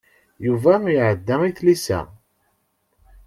Yuba iɛedda i tlisa.